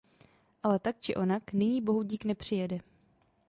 Ale tak či onak, nyní bohudík nepřijede.